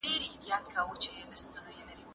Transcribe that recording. هغه سړي کلیوالو ته شاعرانه ځواب ورکړ.